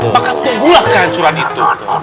maka terulah kehancuran itu